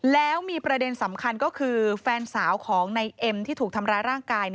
แล้วมีประเด็นสำคัญก็คือแฟนสาวของในเอ็มที่ถูกทำร้ายร่างกาย